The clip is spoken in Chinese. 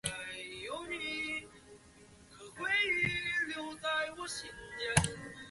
你曾说过害怕回到当初